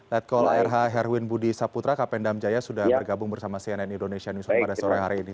letkol arh herwin budi saputra kapendam jaya sudah bergabung bersama cnn indonesia newsroom pada sore hari ini